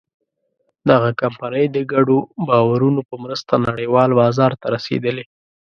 دغه کمپنۍ د ګډو باورونو په مرسته نړۍوال بازار ته رسېدلې.